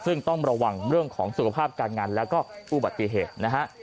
ซึ่งต้องระวังเรื่องของสุขภาพการงานแล้วก็อุบัติเหตุนะฮะ